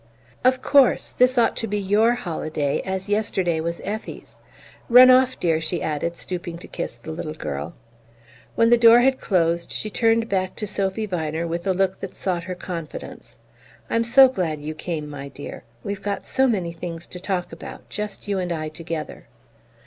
"Of course. This ought to be YOUR holiday, as yesterday was Effie's. Run off, dear," she added, stooping to kiss the little girl. When the door had closed she turned back to Sophy Viner with a look that sought her confidence. "I'm so glad you came, my dear. We've got so many things to talk about, just you and I together."